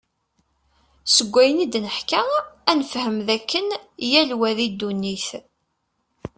Seg wayen id-neḥka ad nefhem, d akken yal wa di ddunit.